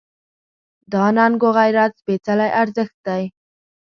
دا ننګ و غیرت سپېڅلی ارزښت دی.